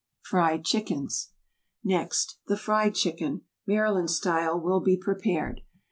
FRIED CHICKENS. Next the fried chicken, Maryland style, will be prepared.